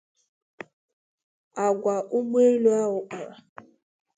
agwa ụgbọ-elu ahụ kpara